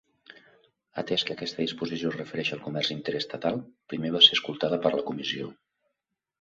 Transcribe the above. Atès que aquesta disposició es refereix al comerç interestatal, primer va ser escoltada per la Comissió.